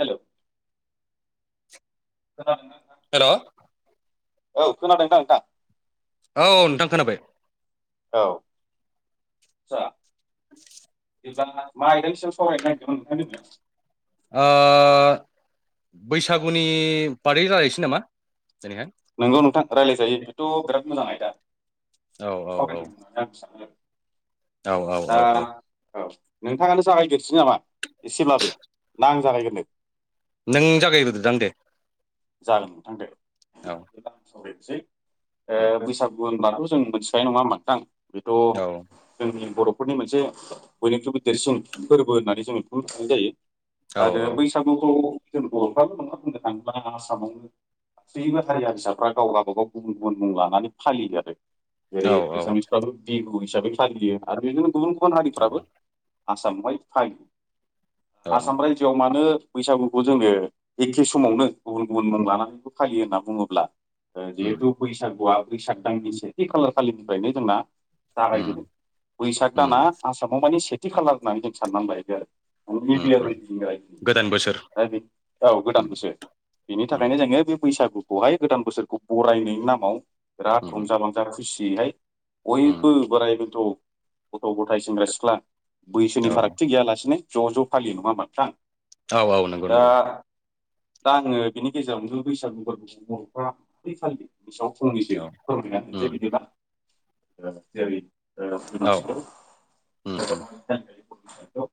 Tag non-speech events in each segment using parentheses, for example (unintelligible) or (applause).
हेल' खोनादोंना नोंथां हेल' औ औ खोनादोंदां नोंथां औ नोंथां खोनाबाय औ आदसा (inaudible) (unintelligible) मा आयदसो सावरायनो नागिरदोंमोन ओंखाय नोङो ओ बैसागुनि बारै रायलायसै नामा दिनैहाय नोंगौ नोंथां रायलायजायो बेथ' बिराद मोजां आयदा औ औ (unintelligible) औ औ दा औ औ औ नोंथाङानो जागायग्रो सै नामा एसेब्लाबो ना आं जागायग्रोनो नों जागायग्रोदोदां दे जागोन नोंथां दे औ जागायनोसै उम ओ बैसागु होनब्लाथ' जों मिथिखायो नङा होमबा नोंथां बेथ' औ जोंनि बर' फोरनि मोनसे बयनिख्रुइबो देरसिन फोरबो होननानै जों बेखौनो साननाय जायो औ आरो बैसागुखौ जों बर'फ्राल नङा बुंनो थाङो ब्ला आसामावनो गासैबो हारि हारिसाफ्रा गाव गाबागाव गुबुन गुबुन मुं लानानै फालियो आरो औ जेरै एसामिसफ्राबो बिहु हिसाबै फालियो आरो बेजोंनो गुबुन गुबुन औ हारिफ्राबो आसामावहाय फालियो औ आसाम रायजोआव मानो बैसागुखौ जोङो एखे समावनो गुबुन गुबुन मुं लानानैबो फालियो होनना बुङोब्ला ओ उम जिहेथु बैसागुआ बैसाग दाननिसो सेथि खालार खालिनिफ्रायनो जोंना उम जागायजोदों बैसाग उम दाना आसामाव माने सेथि खालार होननानै जों साननानै लायो आरो उम उम गोदान बोसोर (unintelligible) औ गोदान उम बोसोर बेनि उम थाखायनो जोङो बे बैसागुखौहाय गोदान बोसोरखौ बरायनायनि नामाव बिराद उम रंजा बांजा खुसि यैहाय उम बयबो बोराइ बेन्थ' गथ' गथाय सेंग्रा सिख्ला बैसोनि औ फारागथि गैयालासिनो ज' ज' फालियो नङा होमबा नोंथां औ औ नंगौ दा नंगौ दा आङो बिनि गेजेरावनो बैसागु फोरबोखौ बर'फ्रा माब्रै फालियो बिनि सायाव फंनैसो औ फोरमायना होनोसै उम बिदिब्ला ओ जेरै औ उम (unintelligible) दा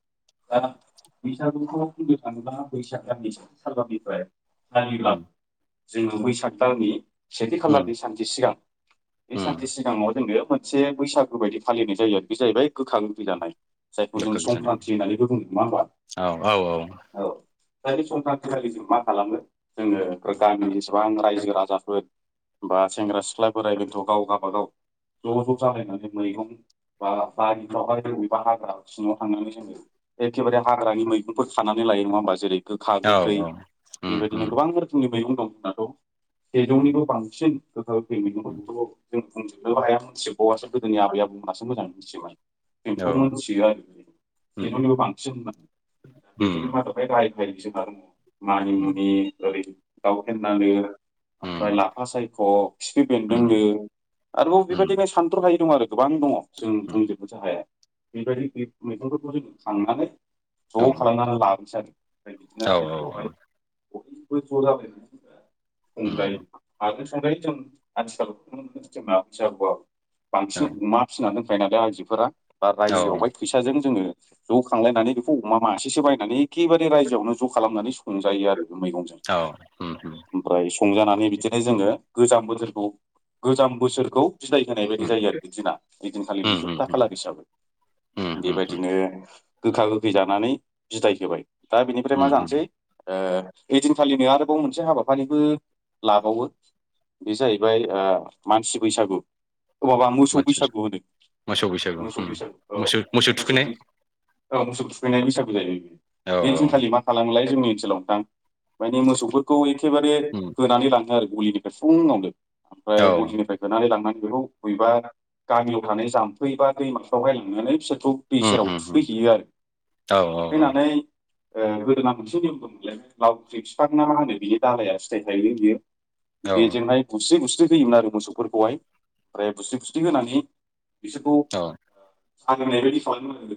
बैसागुखौ बुंनो थाङोब्ला बैसाग दाननि (unintelligible) जायोब्ला उम जोङो बैसाग दाननि सेथि उम खालारनि सानसे सिगां बे उम सानसे सिगाङाव जोङो मोनसे बैसागु बायदि फालिनाय जायो आरो बे जाहैबाय गोखा गोखै जानाय जायखौ जों गोखा गोखै जानाय संक्रान्ति होननानैबो बुङो नङा होमबब्ला औ औ औ बै संक्रानथि खालि जों मा खालामो जोङो गामिनि एसेबां रायजो राजाफोर बा सेंग्रा सिख्ला बोराय बेनथ' गाव गाववाबागाव ज' ज' जालायनानै मैगं बा बारिफ्रावहाय बबेबा हाग्रा सिङाव थांनानै जोङो एखेबारे हाग्रानि मैगंफोर खानानै लायो नङा होमबा जेरै गोखा औ गोखै उम बेबायदिनो उम गोबां रोखोमनि मैगं दं दाथ' उम सेजौनिबो बांसिन गोखा गोखै मैगंफोरखौथ' जों बुंजोबनोबो हायाम मोनथि बावआसो गोदोनि आबैआबौमोनहासो मोजाङ मिथियोमोन औ बेखौ मोनथियो आरो जों उम सेजौनिबो बांसिन होननानै बेफोरनि उम मादाव बै गाहाय (unintelligible) मानि उम मुनि ओरै दाउ फेन्दानो ओमफ्राय उम लाफा सायख' खिफि उम बेन्दोंनो आरोबाव उम बेबायदिनो सानथ्र' हायै दं आरो गोबां दङ जों उम बुंंजोबनोसो हाया बेबायदि बे मैगंफोरखौ जों खांनानै औ ज' खालामनानै लाबोनोसै आरो ओमफ्राय बिदिनो औ औ हायजोआवहाय बयबो ज' जालाय उम संजायो आरो नाथाय जों आथिखालाव (unintelligible) औ बांसिन अमा फिनानै खायो नालाय आइजोफोरा बा औ रायजोआवहाय फैसाजों जोङो ज' खांलायनानै बेखौ अमा मासेसो बायनानै एखेबारे रायजोआवनो ज' खालामनानै संजायो आरो मैगंजोन औ उम उम ओमफ्राय संजानानै बिदिनो जोङो गोजाम बोसोरखौ गोजाम बोसोरखौ सिदाय होनाय बायदि जायो आरो बिदिना उम ओइदिनखालिनि जोबथा उम खालार हिसाबै उम उम बेबायदिनो गोखा गोखै जानानै बिदाय होबाय दा बिनिफ्राय मा उम उम जानोसै ओ ओइदिनखालिनो आरोबाव मोनसे हाबाफारिबो लाबावो बे जाहैबाय ओ मानसि बैसागु अबाबा मोसौ बैसागु होदों मोसौ बैसागु मोसौ उम बैसागु मोसौ थुखैनाय मोसौ मोसौ थुखैनाय बैसागु जायो बेयो औ बे औ दिनखालि मा खालामोलाय जोंनि ओनसोलाव नोंथां माने मोसौफोरखौ एखेबारे उम होनानै लाङो आरो गलिनिफ्राय फुङावनो औ ओमफ्राय गलिनिफ्राय होनानै लांनानै बेखौ बबेबा गामियाव थानाय जाम्फै बा दैमाफ्रायावहाय लांनानै बिसोर बेखौ उम दैसेेराव उम उम थुखैहैयो आरो औ थुखैनानै गोदोना मोनसे नियम लावख्रि बिफां ना मा होनो बिनि दालाया फिथाइ थायो बियो औ बेजोंहनाय बुस्रि‌ बुस्रि होयोमोन आरो मोसौफोरखौहाय ओमफ्राय बुस्रि बुस्रि होनानै बिसोरखौ औ आं होननायबायायदि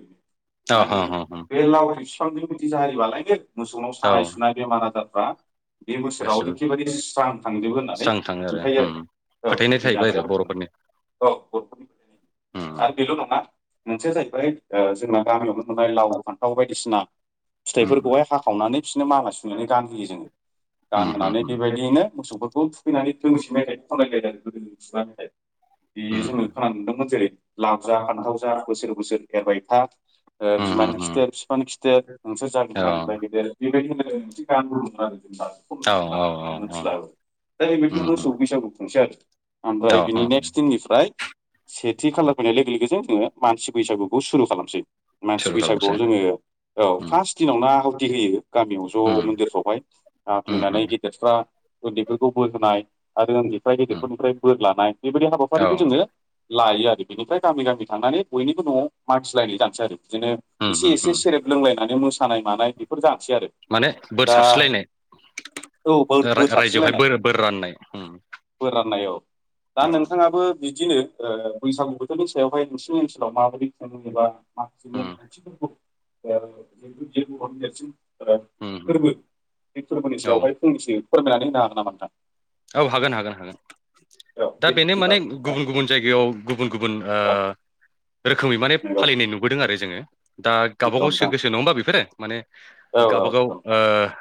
(unintelligible) हो मानिे हो हो बे (unintelligible) बिफांनि बिदि जारिबालाय बेे मोसौनाव औ सानाय सुनाय बेमार आजारफ्रा बे बोसोराव गासिबो एखेबारे स्रां थांजोबबो होननानै स्रां थाङो आरो फोथायो उम आरो औ फोथायनाय गोदोनि थाहैबाय आरो आदायाव बर'फोरनि औ बर'फोरनि उम आरो बेल' नङा मोनसेया जाहैबाय जोंना गामियावनो मोनबाय लाव फान्थाव बायदिसिना उम फिथाइफोरखौहाय हाखावनानै बिसोरनो माला सुनानै गानहोयो जोङो उम उम गानहोनानै उम बेबायदियैनो मोसौफोरखौ खौ थुखैनानै दोंसेै मेथाइ खनलायलायदों आरो गोदो खुगा मेथाइ बे उम जोङो खोनानो मोनदोंमोन जेरै लाव जा फान्थाव जा बोसोर बोसोर एरबाय था उम बिमानि उम उम खिथेर बिफानो खिथेर नोंसोर औ जागोन जांगिला गेदेर बेबायदि होनलायनाय मोनसे गान दंमोन आरो औ औ औ (unintelligible) औ मिथिला दा नै बेबायदिनो उम उम मोसौ बैसागु खुंसै आरो ओमफ्राय औ बिनि औ नेक्स्ट दिननिफ्राय सेथि खालार फैनाय लोगो लोगोजों जोङो मानसि बैसागुखौ सुरु खालामसै मानसि सुरु खालामसै बैसागुआव जोङो औ उम फार्स्ट दिनावनो आहुथि होयो गामियाव ज' उम मन्दिरफ्रावहाय उम फैनानै उम गेदेरफ्रा उन्दैफोरखौ बोर होनाय आरो उन्दैफ्रा उम गेदेरफोरनिफ्राय बोर लानाय बेबायदि औ हाबाफारिखौ जोङो लायो आरो बेनिफ्राय गामि गामि थांनानै बयनिबो न'आव मागिलायनो जानोसै आरो बिदिनो उम एसे उम एसे उम सेरेब लोंलायनानै मोसानाय मानाय बेफोर जा माने बोर सारस्रिलायनाय औ बोर बोर रा- रायजोआवहाय सारस्रिलायनाय बोर बोर राननाय उम बोर राननाय औ दा औ नोंथाङाबो बिदिनो ओ बैसागु बोथोरनि सायावहाय नोंसिनि ओनसोलाव माबायदि खुङोबा माखासे नेम उम खान्थिफोरखौ जिथु (unintelligible) उम उम फोरबो बे फोरबोनि औ सायावहाय फंनैसो फोरमायनानै होनो हागोन नामा नोंथां औ हागोन हागोन हागोन औ दा दे बेनो बिदिब्ला माने नोंथां गुबुन गुबुन औ जायगायाव गुबुन गुबुन ओ रोखोमै माने नंगौ फालिनाय नुबोदों आरो जोङो दा गावबा नंगौ गावसो नोंथां गोसो नङा होमबा बेफोरो माने औ औ नंगौ गावबागाव नोंथां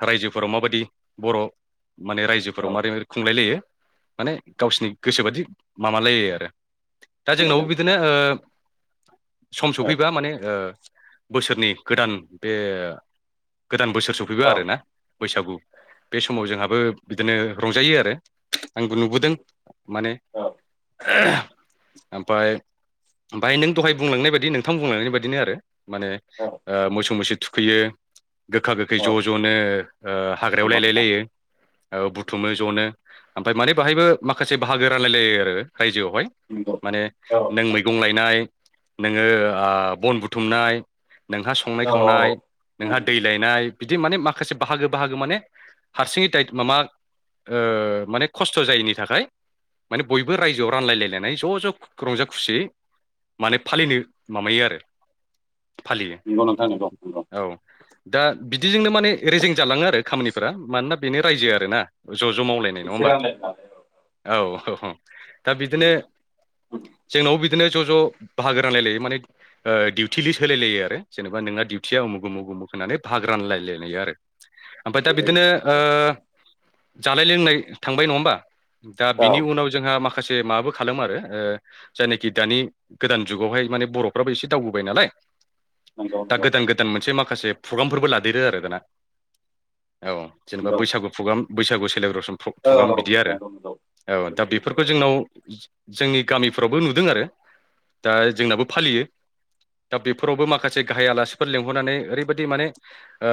रायजो फोराव माबायदि बर' माने रायजोफोराव औ मारै माने गावसिनि गोसोबादि माबालायो आरो दा नंगौ जोंनावबो नंगौ बिदिनो ओ सम सफैबा औ माने बोसोरनि गोदान बे गोदान बोसोर सफैबाय औ आरोना बैसागु बे समाव जोंहाबो बिदिनो रंजायो आरो आंबो नंगौ नुबोदों माने नोंथां नंगौ औ ओमफाय ओमफाय नों दहाय बुंलांनाय बायदि नोंथां बुंलांनाय बायदिनो आरो माने ओ मोसौ मैसो थुखैयो। गोखा गोखै ज' ज'नो ओ हाग्रायाव लायलायलायो ओ बुथुमो जनो। ओमफाय माने बाहायबो माखासे बाहागो रानलायलायो आरो। रायजोआवहाय माने नों मैगं लायनाय नोङो आ बन बुथुमनाय नोंहा संनाय खावनाय, नोंहा दै लायनाय बिदि माने माखासे बाहागो बाहागो माने हारसिङै दाइ मामा ओ माने खस्थ' जायैनि थाखाय माने बयबो रायजोआव रानलायलायनानै ज' ज' रंजा खुसियै माने फालिनो माबायो आरो फालियो नंगौ नोंथां नंगौ नंगौ। औ दा बिदिजोंनो माने रेजें जालाङो आरो खामानिफोरा मानोना बेनो रायजो आरो ना ज' ज' माव (inaudible) अह ह दा बिदिनो औ जोंनावबो बि दिनो ज' ज' बाहागो रायलायलायो माने ओ दिउथि लिस होलाय लायो आरो जेनेबा नोंना दिउथिया उमुग उमुग उमुग होननानै भाग रानलाय लेनायो आरो। ओमफ्राय दा बिदिनो ओ बेबायदिनो जानाय लोंनाय थांबाय । नङा होमबा? दा औ बिनि उनाव जोंहा मा खासे माबो खालामो आरो ओ जायनाखि दानि गोदान जुगावहाय माने बर'फ्राबो एसे दावबोबाय नालाय। नंगौ दा नंगौ गोदान गोदान मोनसे माखासे प्रग्रामफोरबो लादेरो आरो दाना। औ जेनेबा नंगौ बैसागु प्रग्राम बैसागु सेलेब्रेसन फु पुगाम औ बिदि आरो नंगौ नंगौ औ दा सोमजिनांगौ बेफोरखौ जोंनाव जोंनि गामिफ्रावबो नुदों आरो दा जोंनाबो फालियो। दा बेफोरावबो माखासे गाहाय आलासिफोर लिंहरनानै ओरैबायदि माने ओ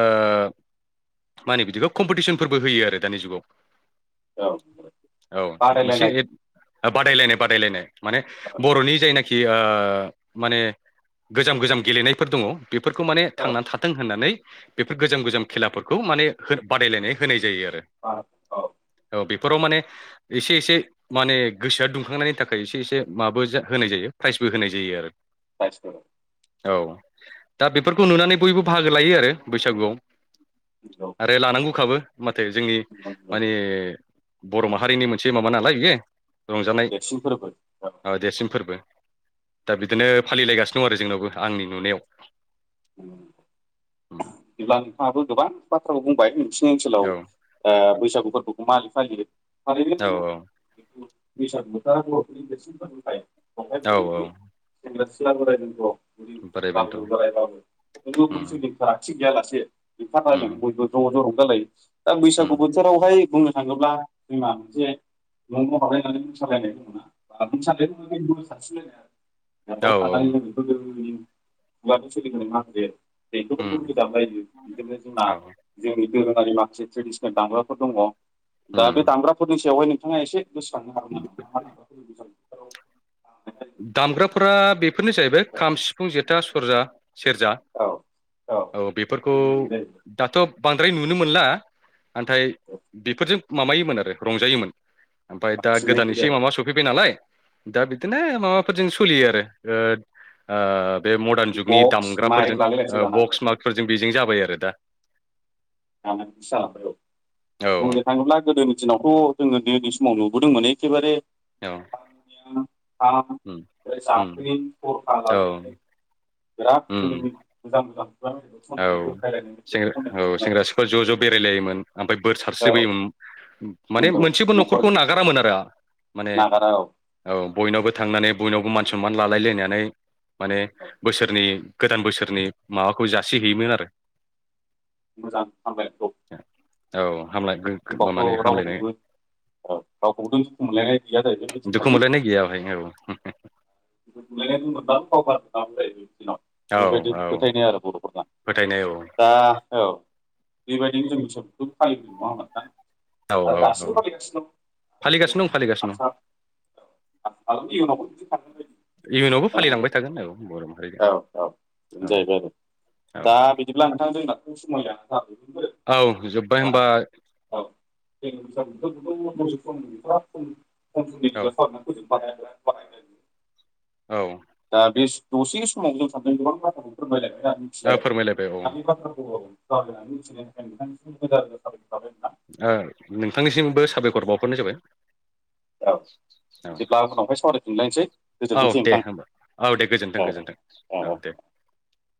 मा होनो बिदिखौ कम्पिटिसनफोरबो होयो आरो दानि जुगाव। औ नंगौ औ मोनसे बादायलायनाय एद ओ बादायलायनाय बादायलायनाय। माने औ बर'नि जायनाखि ओ माने गोजाम गोजाम गेलेनायफोर दङ बेफोरखौ माने औ थांनानै थाथों होननानै बेफोर गोजाम गोजाम खेलाफोरखौ माने हो बादायलायनाय होनाय जायो आरो। आ औ। ओ बेफोराव माने एसे एसे माने गोसोआ दुंखांनायनि थाखाय एसे एसे माबो होनाय जायो। प्राइजबो होनाय जायो आरो। (unintelligible) औ दा बेफोरखौ नुनानै बयबो बाहागो लायो आरो बैसागुआव। नंगौ आरो लानांगौखाबो माथो जोंनि नंगौ नंगौ मा ने बर' माहारिनि मोनसे माबा नालाय बियो। रंजानाय देरसिन फोरबो औ नंगौ देरसिन ओ फोरबो। दा बिदिनो फालिलायगासिनो दं आरो जोंनावबो आंनि नुनायाव। बिदिब्ला नोंथाङाबो गोबां बाथ्राखौ बुंबाय। सिनि ओनसोलाव औ ओ बैसागु फोरबोखौ मालै फालियो? औ औ। बैसाग बोथोरा बर'फोरनि देरसिनफोरखाय बावहाय औ बयबो सेंग्रा सिख्ला बोराय बेनथ बुरि औ बोराय बेन्थ' बाबो बोराय बाबो खुनु उम बैसोनि फोरागथि गैयालासे ओंखार उम लायो बयबो ज' जर' जालायो दा उम बैसागु बोथोरावहाय बुंनो थाङोब्ला जोंना मोनसे न'आव हाबलायनानै मोसालायनाय दङना (inaudible) नावाव औ थानानै (inaudible) देंखो फोरखौ उम रोजाब लायो। बिदिनो जोंना औ जोंनि दोरोङारि माखासे ट्रेडिसनेल दामग्राफोर दङ उम दा बे दामग्राफोरनि सायावहाय नोंथाङा एसे गोसोखांनो हागोन नामा (inaudible) दामग्राफोरा बेफोरनो जाहैबाय खाम सिफुं जेथा सरजा सेरजा औ औ बेफोरखौ लुबैयो जाहैबाय दाथ' बांद्राय नुनो मोनला नाथाय बेफोरजों माबायोमोन आरो रंजायोमोन ओमफ्राय दा बांसिनै गोदानै एसे गोदो माबा सफैबाय नालाय दा बिदिनो माबाफोरजों सोलियो आरो बे मदार्न जुगनि बक्स दामग्राफोरजों माइक लालायलायसो दाना बक्स मार्कफोरजों बेजों जाबाय आरो दा जानानै बिदि जालांबाय औ औ बुंनो थाङोब्ला गोदोनि दिनावथ' जोङो दै व नुबोदों माने एखेबारे औ (unintelligible) उम उम औ बिराद उम मोजां मोजां खुगा मेथाइखौ औ खननानै औ जंखायलायनाय मेथाइखौ खननाय नुयोमोन सेंग्रा सिख्ला ज' ज' बेरायलायोमोन ओमफ्राय बोर आरो औ सारस्रिबोयोमोन माने नंगौ मोनसेबो न'खरखौ न'खरनि नागारामोन आरो माने नागारा औ औ बयनावबो थांनानै बयनावबो मान सनमान लालायलायनानै माने औ बोसोरनि गोदान बोसोरनि माबाखौ जासिहैयोमोन आरो मोजां हामबाय औ औ हामलाय माने हबावथ' हामलायनाय रावखौबो औ गावखौबोथ दुखु मोनलायनाय गैया जाहैदों दुखु हैदिनखालि (inaudible) मोनलायनाय गैया बेहाय औ (unintelligible) औ बेबायदि औ फोथायनाय आरो बर'फोरना फोथायनाय औ दा औ बेबायदिनो जों सबखौ फालिनाय नङामोन नोंथां औ आरो दासिम औ फालिगासिनो दं फालिगासिनो दं फालिगासिनो आतसा दं इयुनावबो (unintelligible) फालिलांबाय थागोन औ बर' माहारिजों औ औ बेनो औ जाहैबाय आरो दा औ बिदिब्ला नोंथां जों दाथ' समा मिलायलिया नोंथां औ जोबबाय होनबा औ जों बैसागुखौ खम समनि गेजेराव औ सावरायनानै फोजोबनो हाया औ दा बे दसे समाव जों सानैदों गोबां बाथ्राखौ फोरमायलायबाय आरो मिथिबाय ओ फोरमायलायबाय औ दानि बाथ्राफोरखौ (unintelligible) नोंथांनिसिमबो साबायखर बावहरनाय जाबाय औ बिदिब्ला उनावहाय सावरायफिनलायनोसै औ औ गोजोनथोंसै दे नोंथां होमबा दे गोजोन्थों औ गोजोन्थों औ औ औ (inaudible)